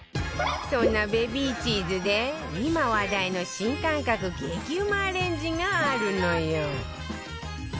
そんなベビーチーズで今話題の新感覚激うまアレンジがあるのよ